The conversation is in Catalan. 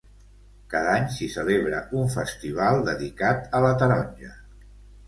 Cada any s'hi celebra un festival dedicat a la taronja.